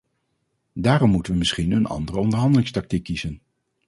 Daarom moeten we misschien een andere onderhandelingstactiek kiezen.